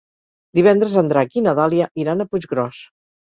Divendres en Drac i na Dàlia iran a Puiggròs.